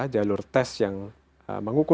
jalur tes yang mengukur